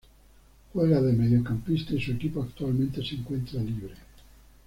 Juega de mediocampista y su equipo actualmente se encuentra libre.